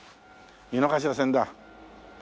井の頭線だ。